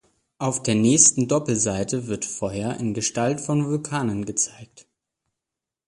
Auf der nächsten Doppelseite wird Feuer in Gestalt von Vulkanen gezeigt.